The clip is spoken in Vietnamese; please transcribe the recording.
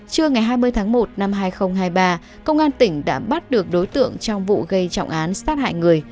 trưa ngày hai mươi tháng một năm hai nghìn hai mươi ba công an tỉnh đã bắt được đối tượng trong vụ gây trọng án sát hại người